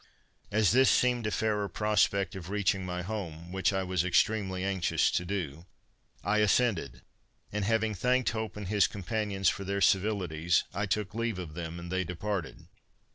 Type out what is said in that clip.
As this seemed a fairer prospect of reaching my home, which I was extremely anxious to do, I assented; and, having thanked Hope and his companions for their civilities, I took leave of them, and they departed.